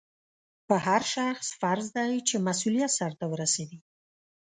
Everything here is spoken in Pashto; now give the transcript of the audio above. په هر شخص فرض دی چې مسؤلیت سرته ورسوي.